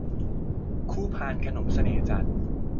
คู่พานขนมเสน่ห์จันทร์